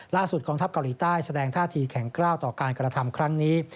กองทัพเกาหลีใต้แสดงท่าทีแข็งกล้าวต่อการกระทำครั้งนี้